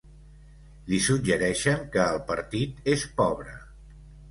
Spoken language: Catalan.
Li suggereixen que el partit és pobre.